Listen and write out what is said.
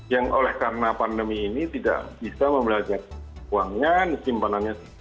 yang oleh karena pandemi ini tidak bisa membelajar uangnya simpanannya